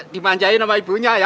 dimanjain sama ibunya ya